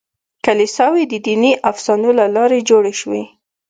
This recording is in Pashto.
کلیساوې د دیني افسانو له لارې جوړې شوې.